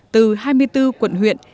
từ hai mươi bốn quận huyện